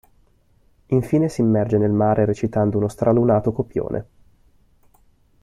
Infine si immerge nel mare recitando uno stralunato copione.